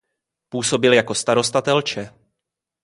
Působil jako starosta Telče.